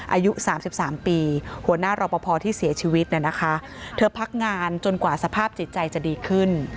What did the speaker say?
อายุ๓๓ปีหัวหน้ารอปภที่เสียชีวิตเนี่ยนะคะเธอพักงานจนกว่าสภาพจิตใจจะดีขึ้น